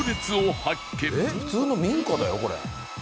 普通の民家だよこれ。